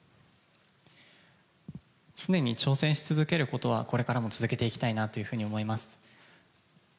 常に挑戦し続けることは、これからも続けていきたいなというふうに思います。